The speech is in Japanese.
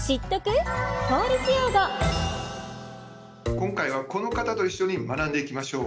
今回はこの方と一緒に学んでいきましょう。